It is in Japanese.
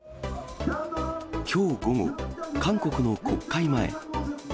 きょう午後、韓国の国会前。